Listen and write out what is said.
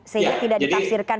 saya tidak ditafsirkan